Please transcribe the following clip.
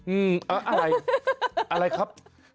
อะไรอะไรครับ